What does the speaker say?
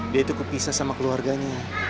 dia itu kepisah sama keluarganya